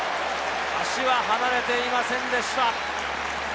足は離れていませんでした。